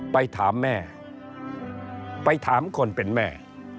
ไปถามแม่ไปถามคนเป็นแม่